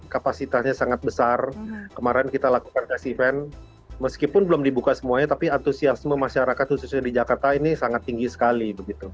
kapasitasnya sangat besar kemarin kita lakukan test event meskipun belum dibuka semuanya tapi antusiasme masyarakat khususnya di jakarta ini sangat tinggi sekali